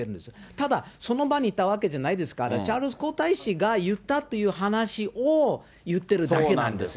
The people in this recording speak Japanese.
ただ、その場にいたわけじゃないですから、チャールズ皇太子が言ったという話を言ってるだけなんです。